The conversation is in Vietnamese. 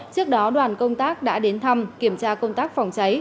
trước đó đoàn công tác đã đến thăm kiểm tra công tác phòng cháy